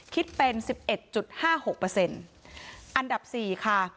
คิดเป็นสิบเอ็ดจุดห้าหกเปอร์เซ็นต์อันดับสี่ค่ะ